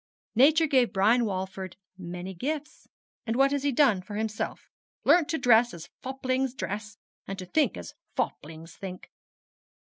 Nature gave Brian Walford many gifts, and what has he done for himself? Learnt to dress as foplings dress, and to think as foplings think!'